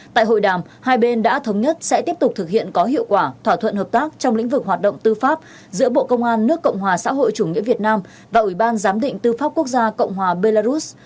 tại hội đàm hai bên đã thống nhất sẽ tiếp tục thực hiện có hiệu quả thỏa thuận hợp tác trong lĩnh vực hoạt động tư pháp giữa bộ công an nước cộng hòa xã hội chủ nghĩa việt nam và ủy ban giám định tư pháp quốc gia cộng hòa belarus